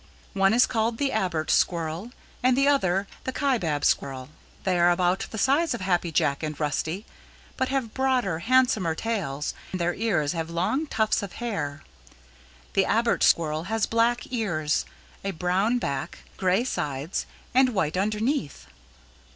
One is called the Abert Squirrel and the other the Kaibab Squirrel. They are about the size of Happy Jack and Rusty but have broader, handsomer tails and their ears have long tufts of hair. The Abert Squirrel has black ears, a brown back, gray sides and white underneath.